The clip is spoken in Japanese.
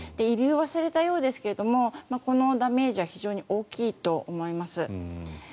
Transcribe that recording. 慰留を忘れたようですがこのダメージは非常に大きいと思います。